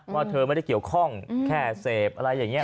ว่าเธอไม่ได้เกี่ยวข้องแค่เสพอะไรอย่างนี้